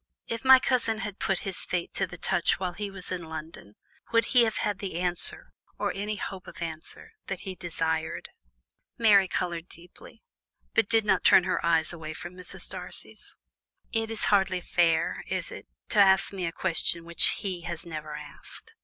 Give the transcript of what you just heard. If my cousin had put his fate to the touch while he was in London, would he have had the answer, or any hope of answer, that he desired?" Mary coloured deeply, but did not turn her eyes away from Mrs. Darcy's. "It is hardly fair, is it, to ask me a question which he has never asked?"